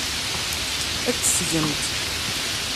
Ad t-tgemt.